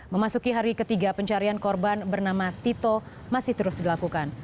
memasuki hari ketiga pencarian korban bernama tito masih terus dilakukan